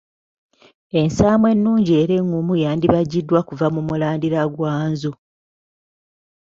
Ensaamu ennungi era eŋŋumu yandibajjiddwa kuva mu mulandira gwa Nzo.